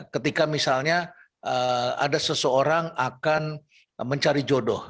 ketika misalnya ada seseorang akan mencari jodoh